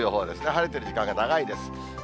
晴れてる時間が長いです。